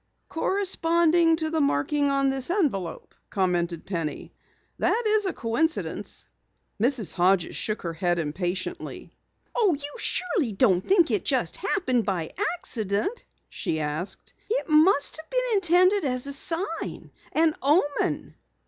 "Corresponding to the marking on this envelope," commented Penny. "That is a coincidence." Mrs. Hodges shook her head impatiently. "You surely don't think it just happened by accident?" she asked. "It must have been intended as a sign an omen."